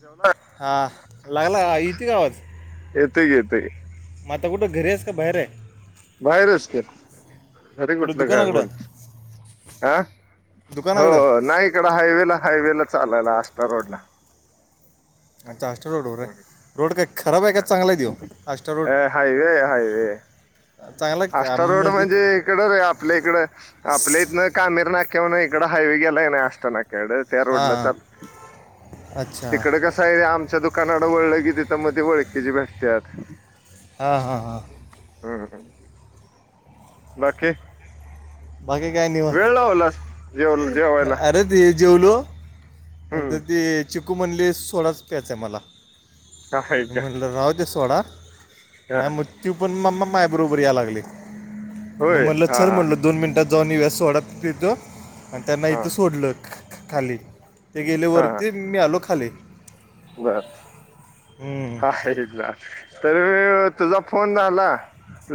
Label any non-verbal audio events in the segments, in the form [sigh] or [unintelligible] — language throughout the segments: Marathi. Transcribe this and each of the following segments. जेवला हा लागला यती का आवाज येतय येतय. म आता कुठ घरी हाईस का बाहेर आहे? बाहेरच की घरी कुठं कुठलं काय दुकानाकडं म्हण आ हो दुकानाकडं हो नाही इकड हायवेला हायवेला चालयला आष्टा रोड ला. आच्छा आष्टा रोडवरर आहे रोड काय खराब आहे का चांगला त्यो आष्टा रोड? अ चांगला आहे का? अष्टारोड मध्ये म्हणजे इकडं रे आपल्या इकडं आपल्या इथन कामीर नाक्यावरन इकडं हायवे गेलाय नाय आष्टा नाक्याकडं त्या हां रोडला चाल हां अच्छा तिकड कस कसाय आमच्या दुकानाकड वळलं कि तिथं म ती वळखीची भेटत्यात हा हा हा. हम्म हम्म. बाकी? बाकी काय निवांत, वेळ लावलास जेव जेवायला अरे ते जेवलो हम्म नंतर ती चिकू म्हणली सोडाच प्यायचाय मला. हा म्हणल राहूदे सोडा नाही म ती पण म म माझ्याबरोबर याय लागली मग होय म्हटलं हा चल हा म्हटलं दोन मिनटात जाऊन येऊया सोडा पितो आणि त्यांना हा इथं सोडलं खाली. ते गेले हा वरती आणि मी आलो खाली. बर. हम्म. तर तुझा फोन आला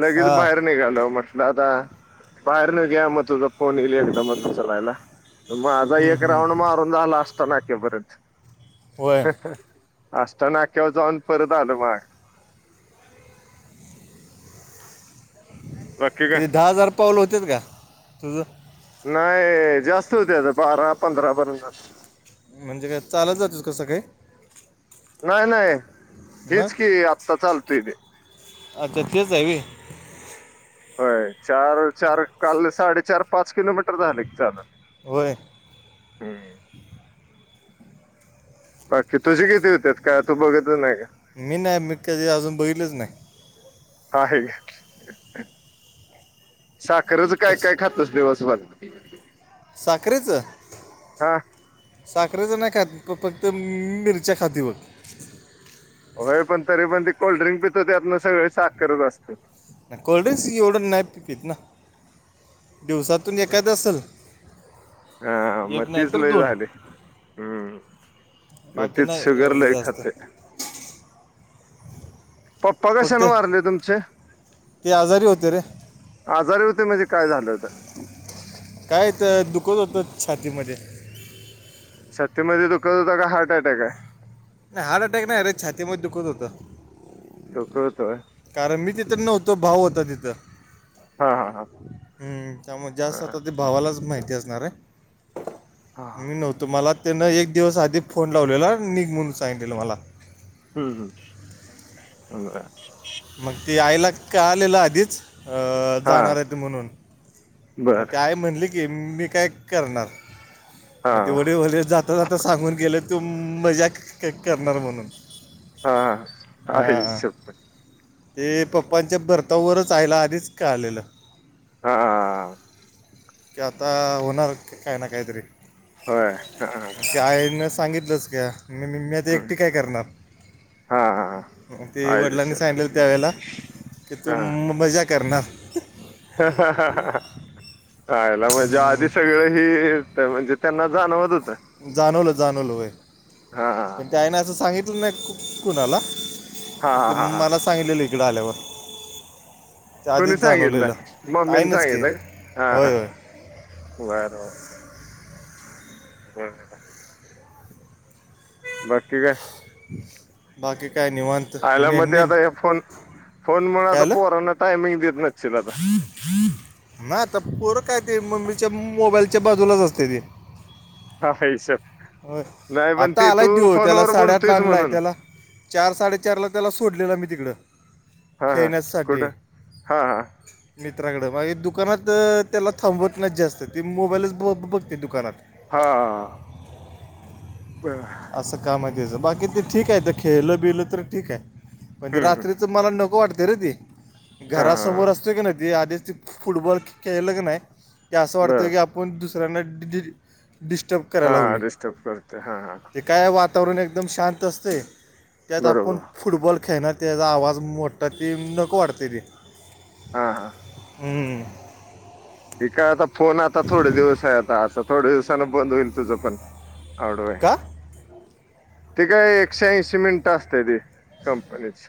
लगेच हा बाहेर निघालो म्हटलं आता बाहेर निघूया म तुझं फोन येईल एकदमच उचलायला. माझा हम्म, एक हम्म. राऊंड मारून झाला असता नाक्या पर्यंत. होय अष्टा नाक्यावर जाऊन परत आलो माग बाकी काय किती दहा हजार पाऊल होत्यात का तुझं? नाय जास्त होत्यात बारा, पंधरा पर्यंत जात्यात. म्हणजे काय चालत जातोस का सकाळी? नाय नाय हेच मग की आत्ता चालतोय ते. अच्छा तेच हाय व्हय. होय चार चार काल साडेचार पाच किलोमीटर झाल की चालून. व्हय. हम्म. बाकी तुझी किती होत्यात? काय तू बघत नाही काय. मी नाही मी त्याचे अजून कधी बघीतलच नाही. हा आहे साखरच काय कस काय खात यस दिवसभर? साखरेच. हा साखरेचं नाही खात फक्त म मिरच्या खातोय बघ. होय पण तरी पण ते कोल्ड्रिंक पीतो त्यातन सगळी साखरच असते. नाय कोल्ड्रिंक्स येवढ नाही मी पित ना दिवसात तून एखादी असल, हा मग एक नाही तीच तर लय दोन. झाले हम्म मग बाकी तीच नाही शुगर एवढं लय जास्त. खाते पप्पा फक्त कशाने वारले तुमचे? ते आजारी होते रे आजारी होते म्हणजे काय झालं होतं? काय तर दुखत होतं छातीमध्ये. छातीमध्ये दुखत होता का हार्ट अटॅक आहे? नाय हार्ट अटॅक नाय अरे छातीमध्ये दुखत होतं. दुखतं होतं व्हय.. कारण मी तिथं नव्हतो भाव होता तिथं. हा हा हा हम्म त्यामुळे जास्त हा आता ते भावालाच माहिती असणार आहे हा मी नव्हतो मला त्यांन एक दिवस आधी फोन लावलेला निघ म्हणून सांगितलेलं मला. हम्म हम् ब. मग ते आयला का आलेलं आधीच हा जाणार आहेत ते म्हणून. मग बर ते आई म्हणली की मी काय करणार हा मग ते वड वले जात. आ आता सांगून गेलं तू मजा करणार म्हणून. हा आई आ. शप्पथ. ते पप्पांच्या भर्तावरच आयला आधीच का आलेलं. हा. की आता होणार काही ना काहीतरी होय हा की आईनं सांगितलंच क म मी आता हम्म. एकटी काय करणार. हा ते वडिलांनी आयुष्य सांगलेलं त्यावेेळेला की तू मजा करणार. यला म्हणजे हम्म, आधी सगळं हि. म्हणजे त्यांना जाणवत होतं. जाणवलं जाणवलंय हा हा पण ते आहे ना असं सांगितलं नाही कुणाला हा ते हा हा मला सांगलेलं इकडं आल्यावर. ते आधीच कोणी जाणवलेलं सांगितलं मम्मीने आईनंच की सांगितलं हा होय होय बरं बर. बर. बाकी का. बाकी काय निवांत. आला मग नेन ते नेन आता हे फोन फोन म्हण काय आता आलं पोहरांना टायमिंग देत नशील आता. ना आता परं काय ते मम्मीच्या मोबाईलच्या बाजूलाच असते ती. हा हा सर. हो आता आलायच देऊ त्याला फोनवर साडेआठ ला बोलतोयस आणलाय म्हणून त्याला. चार साडेचार ला त्याला सोडलेलं मी तिकडं. हा हा खेळण्यासाठी. कुठं हा हा मित्राकडं मागे दुकानात त्याला थांबवत नाही जास्त तेी मोबाईलच ब बघते दुकानात हा. हमं. असं काम आहेयचं बाकी ते ठीक आहे तर खेळलं बिलं तर ठीक आहे. म्हण ते हम्म हम्म रात्रीच मला नको वाटते रे तेी. हा घरा हा समोर असतो की नाही ती आधीच त फुटबॉल खेळल की नाही क असं बर वाटतं की आप आपण दुसऱ्यांना डिि डिस्टर्ब करायला लावले. चप करते हा हां. ते काय वातावरण एकदम शांत असते त्यात आपण. बरोबर फुटबॉल खेळना त्याचा आवाज मोडटा ती नकं वाढतली. हा हा हम्म. काय आता फोन आता थोडे दिवस आहे आता आता थोडे्या दिवसा बंद होईल तुझं पण आवड का त काय एकशे ऐंशीमेंट असते ती कंपनीच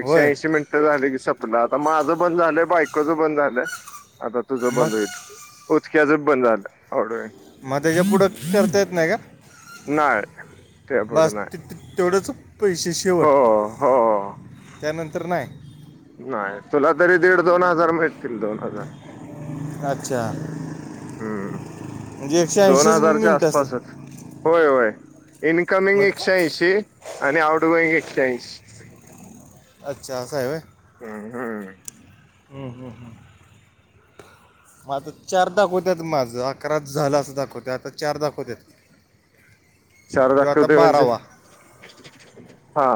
एकशे होय ऐंशीमेंट. झाले की सपलं आता माझं बंद झालंय बायकोचं बंद झालं आता तुझं मग बंद होईल उचक्याच बंद झालं वड. मग त्याच्या पुढं करता येत नाही का. नाही र. बस त तेवढंच पैसे शेवट हो हो त्यानंतर नाही नाही तुला तरी दीड दोन हजार भेटतील दोन हजार अच्छा हम्म म्हणजे एकशे दोन ऐंशीच हजारच्या मिनिट अस आसपासच होय होय इनकमिंग मग एकशेऐंशी आणि आउटगोइंग एकशेऐंशी अच्छा अ अस आहे हम हम ह हं ह माझ चार दाखवत्यात माझं अकराच झालं अस दाखवते आता चार दाखवत्यात शार आखते म्हणज हा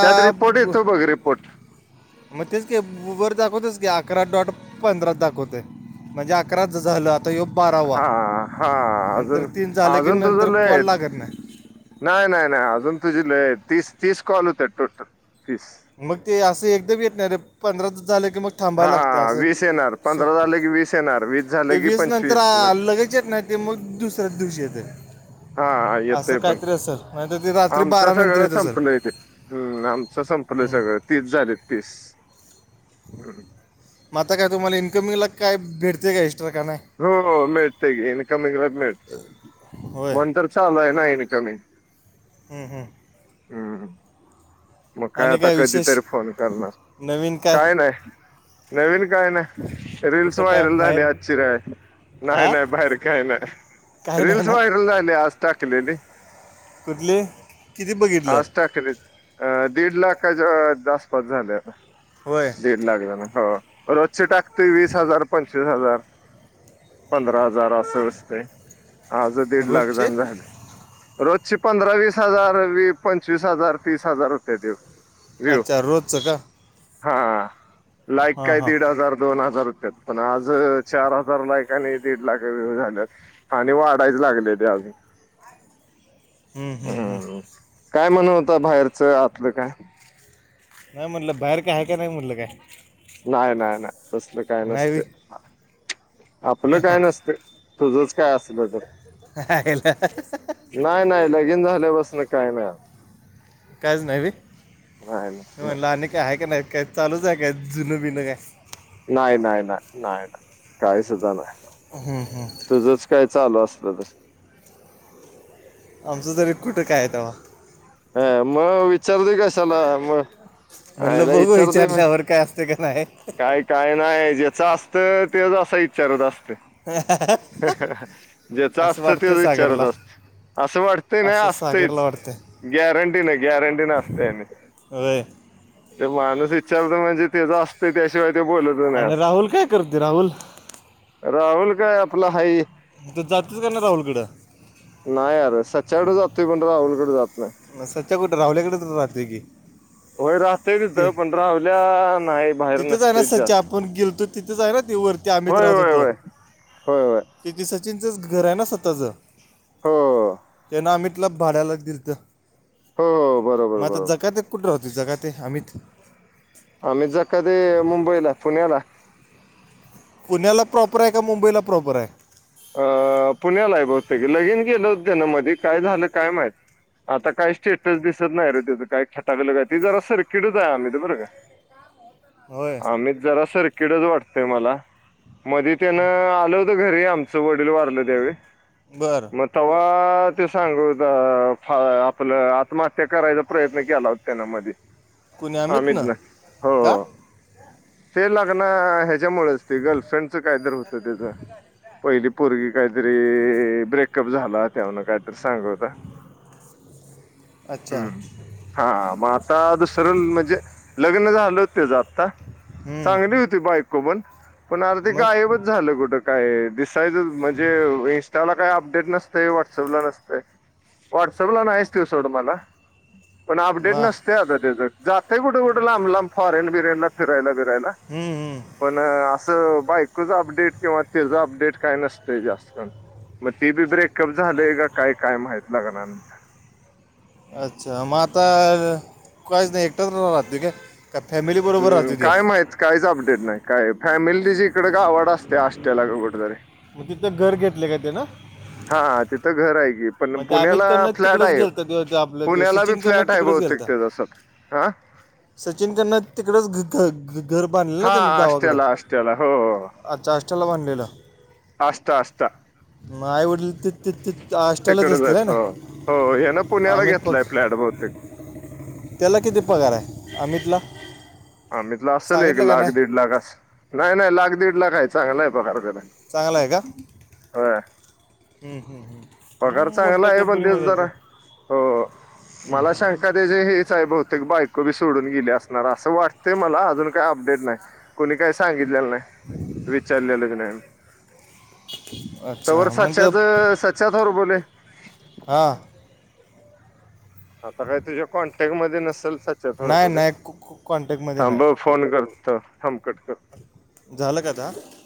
त्यात रिपोर्ट ब- येतो बघ रिपोर्ट मग तेच कायर दाखवतेच काी अकरा डॉट पंधरा दाखवत म्हणजे अकराच झालंता आता येऊ बारावा हा हा नंतर अजून तीन झाले की अजून नंतर तुझं लय कॉल आहेत लागत नाही नाही नाही नाही अजून तुझी तीस तीस को आल होत टोट तीस मग ते असं एकदा भी येतणार रे पंधरा दि झालं की मग थांबाय लागते हा अस वीस येणार पंधरा झालं की वीस येणार वीस झालं ते की वस नंतर पंचवीस मग आलं त नाही ते मग दुसऱ्याच दिवशी येते हा असं येतय पण काहीतरी अस सर नाही ते रात्री बारा नंतर येतं सर म् आमच संपलं सगळं तीस झाले तीस आता काय तुम्हाला इन्कमिंगला काय भेटते का एस्ट्रा का नाही हो मिळते ग इनकमी गला मिळते होय म्हण तर चालू आहे ना इनकमी हम् हम मग काय आणि आता विशेष कधीतरी फोन करणारस काय नाही नवीन काय ना रीलस कुठं काय व्हायरल झाले बाहेर आजचीिरय नाही हा नाही बाहेर काही नाही काय नाही रीलस ना व्हायरल झाले आज टाकलेली कुठली किती बघितलं आजा ख अ दीड लाखाच्या आस्पात झाल्या होय दड लाग ना हो रोजचे टाकते वीस हजार प पवीस हजार पंधरा हजार असं असते आज दीड लाख रोजचे जण झाले रोजची पंधरा वीस हजार व पंचवीस हजार तीस हजार रुपये देऊ घऊ अच्छा रोजचं का हा लाईक हां काय हां दीड हजार दोन हजार रुपयात पण आज चार हजार लाख आणि दीड लाख व्य झाल्यात आणि वाढायच लागले ते अजून हम्म काय म्हण होत बाहेरचं आतलं काय नाही म्हणल बाहेर का काय आहे नाही म्हटलं काय नाही नाही नाही तसल काय नाही बी नसते आपलं काय नसतं तुझच काय असलं तर आहे नाही नाही लगेन झाल्यापसन काय नाही काज नैवीित नाही ना म्हणालं आणि काही आहे का नाहीत काय चालूच आहे काय जुनं बिन काय नाही नाही नाही नाही नाही काही सुद्धा नाही हां हां तुझंच काय चालू असत तर आमचं तरी कुठं कायव ह मग विचारते कशाला मग म्हणलं आईला बघू विचारते मग विचारल्यावर का क नाही आहे काय काय नाही ज्याच असत तेच असा विच्चारत असते ज्याच असं असत तेच वाटतंय विचारत सागरला असत असं वाटतय नाय असं सागरला असतंच. वाटतंय गॅरंटी न गॅरंटी ना असतय. होय! माणूस विचारतय म्हणजे तेज असतंय त्याशिवाय ते बोलत नाही आणि असं राहुल काय करतोय राहुल? राहुल काय आपला हाय तू जातोस का नाहीस राहुल कड? नाही आर सच्याकडे जातोय पण राहुलकडे जात नाय. मग सच्या कुठ राहुल्याकडेच राहतोय की! होय राहतय ती तिथं पण राहूल्या नाही बाहेर नसतंय. सच्चा आपण गेलतो तिथेच आहे ना ती वरती अमित होय राहत होत. होय होय होय होय! ती ते सचिनचंच घर आहे ना स्वतःचं हो त्यांन अमितला भाड्यान दिलंतं. हो हो बरोबर. मग आता बरोबर जगात्यात कुठ राहतोय जगाते अमित? अमित जकाते मुंबईला पुण्याला. पुण्याला प्रॉपर आहे का मुंबईला प्रॉपर आहे? अ पुण्याला आहे बहुतेक लगीन केलं होतं त्यांनी मधी काय झालं काय माहित! आता काही स्टेटस दिसत नाही रे त्याचं काय खटाकल काय ते जरा सर्किटच ये अमित बर का. होय [unintelligible] अमित जरा सर्किटच वाटतय मला मध्ये त्यान आल घरी आमचं वडील वारलं त्यावेळी बरं! मग तेव्हा ते सांगत होता आपलं आत्महत्या करायचा प्रयत्न केला होता. त्यानं मधी कुणी अमित ना न का हो. ते लग्ना ह्याच्यामुळेच ते गर्लफ्रेंडच काय तर होतं त्याचं. पहिली पोरगी काहीतरी ब्रेकअप झाला त्यावेळेला काहीतरी सांगत होता. [inaudible] अच्छा! हा मग आता दुसरं म्हणजे लग्न झालं होत त्याचं आता चांगली हम्म. होती बायको पण पण आता ते मग गायबच झालं कुठं काय दिस म्हणजे इंस्टाला काय अपडेट नस तय, व्हॉट्सअप ला नसते व्हॉट्सअप ला नाहीच ते सोडं म्हणा. पण अपडेट मा नसतंय आता त्याच जातं कुठे कुठं लांब लांब फॉरेन बिरेनला फिरायला बिरायला. हम्म हम्म! पण असं बायकोच अपडेट किंवा त्याचं अपडेट काय नसतंय जास्त मग, ते बी ब्रेकअप झालय का काय काय माहित लग्ना अच्छा मग आता कायच नाही एकटाच राहतोय काय? का फॅमिली बरोबर हम्म, राहतो तो? काय माहित काहीच अपडेट नाही काय फॅमिलीची त्याची इकडे गावाकडे असतीया आष्टट्याला का कुठेतरी! मग तिथे घर घेतले काय त्यानं? हा तिथं घर आहे की. पण ते अमित पुण्याला कडनं फ्लॅट तिकडच आहे गेलता त्यो- त्यो आपलं त्यो पुण्याला बी सचिन कडनं फ्लॅट आहे तिकडच बहुतेक गेलता त्याचा. सचिन त्यांन तिकडंच घ घर बांधल ना त्यांना गावाकडं? त्याला हो. अच्छा आष्टत्याला बांधलेलं आष्टा आष्टा मग आईवडील ति ती ती आ तिकडंच आहेत हो हो ह्यांन पुण्याला अमित पग घेतलाय प्लॅट बहुतेक. त्याला किती पगार आहे अमितला? अमित ला असेल एक सांगितलं का लाख नाही दीड लाख असल नाही नाही लाख दीड लाख आहे चांगला ये पगार त्याला. चागला ये का होय हू हू. पगार चांगला आहे पण तेच जरा हो मला एखाद्या ज हेच आहे बहुतेक बायको बी सोडून गेली असणार असं वाटते मला अजून काही अपडेट नाही. कोणी काही सांगितलेलं नाही विचारलेलं बी नाही मी तवर अच्छा सच्याच सच्चा थर बोले. हा. आता काय तुझ्या कॉन्टॅक्ट मध्ये नसेल सच्या नाही बरोबर आहे नाही कॉन्टॅक्टमध्ये थांब. नाही फोन करत संकट कर. झालं कादा